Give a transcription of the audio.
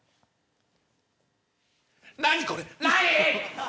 何これ。